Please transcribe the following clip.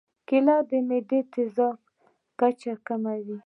کېله د معدې د تیزابیت کچه کموي.